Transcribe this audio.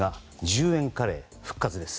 １０円カレー復活です。